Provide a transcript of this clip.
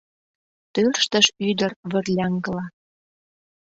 Тӧрштыш ӱдыр вырляҥгыла!